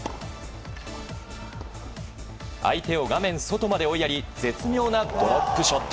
相手を画面外まで追いやり絶妙なドロップショット。